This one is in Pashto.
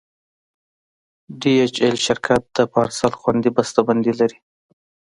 ډي ایچ ایل شرکت د پارسل خوندي بسته بندي لري.